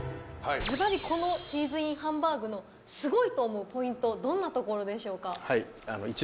ズバリ、このチーズＩＮハンバーグのすごいと思うポイントはどのようなところでしょうか？